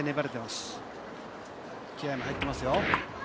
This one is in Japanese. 気合いも入ってますよ。